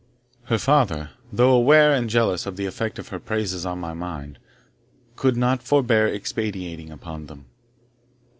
Her father, though aware and jealous of the effect of her praises on my mind, could not forbear expatiating upon them.